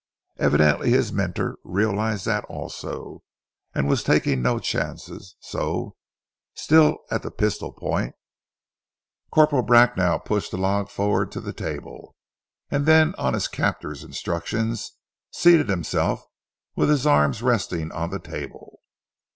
Evidently his mentor realized that also, and was taking no chances, so, still at the pistol point, Corporal Bracknell pushed the log forward to the table, and then on his captor's instructions seated himself with his arms resting on the table.